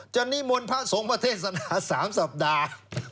จะหนี้มวลพระสงฆ์ประเทศนา๓สัปดาห์